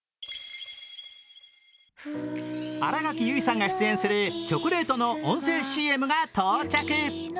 新垣結衣さんが出演するチョコレートの音声ＣＭが到着。